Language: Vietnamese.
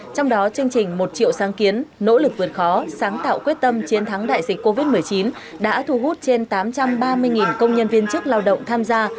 trong đó chương trình một triệu sáng kiến nỗ lực vượt khó sáng tạo quyết tâm chiến thắng đại dịch covid một mươi chín đã thu hút trên tám trăm ba mươi công nhân viên chức lao động tham gia